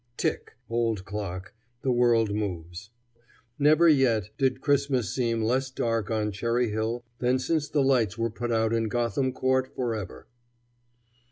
Tick! old clock; the world moves. Never yet did Christmas seem less dark on Cherry Hill than since the lights were put out in Gotham Court forever.